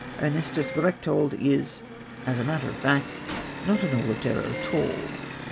Ernestus Berchtold is, as a matter of fact, not a novel of terror at all.